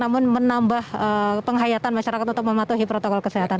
namun menambah penghayatan masyarakat untuk mematuhi protokol kesehatan